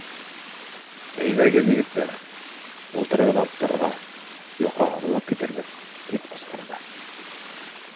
— Әйҙәгеҙ, егеттәр, ултырығыҙ аттарығыҙға, юҡһа һуңлап китербеҙ, — тип ҡысҡырҙы.